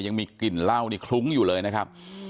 ยังมีกลิ่นเหล้านี่คลุ้งอยู่เลยนะครับ